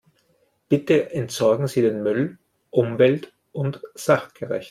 Bitte entsorgen Sie den Müll umwelt- und sachgerecht.